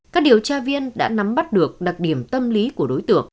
các điều tra viên đã nắm bắt được đặc điểm tâm lý của đối tượng